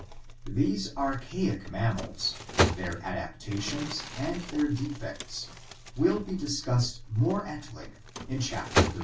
These archaic mammals, their adaptations and their defects will be discussed more at length in Chapter XXXII.